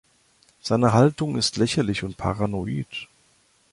Seine Haltung ist lächerlich und paranoid.